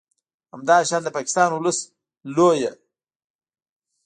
همداشان د پاکستان ولس لویه ب